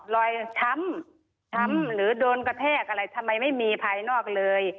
รอยช้ำช้ำหรือโดนกระแทกอะไรทำไมไม่มีภายนอกเลย